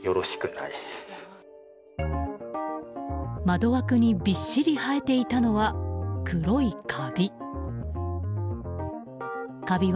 窓枠にびっしり生えていたのは黒いカビ。